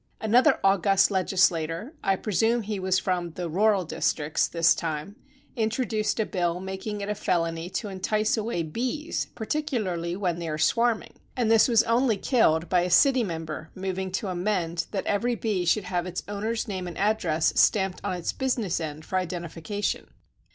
Another august legislator â I presume he was from the " rural districts " this time â introduced a bill making it a felony to en tice away bees, particularly when they are swarming, and this was only killed by a city member moving to amend that every bee should have its owner's name and address stamped on its business end for identifica tion.